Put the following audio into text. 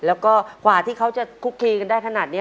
แล้วก็กว่าที่เขาจะคุกคลีกันได้ขนาดนี้